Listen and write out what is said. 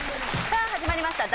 さあ始まりました